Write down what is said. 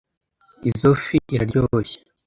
Izoi fi iraryoshye.